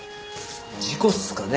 事故っすかね。